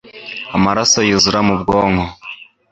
amaraso yuzura mu bwonko